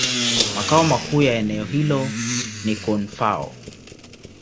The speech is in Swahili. Makao makuu ya eneo hilo ni Koun-Fao.